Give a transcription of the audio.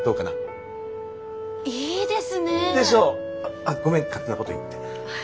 あっごめん勝手なこと言って。